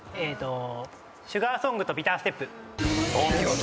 『シュガーソングとビターステップ』お見事。